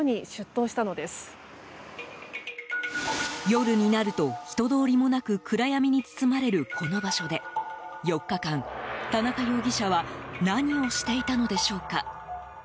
夜になると、人通りもなく暗闇に包まれるこの場所で４日間、田中容疑者は何をしていたのでしょうか。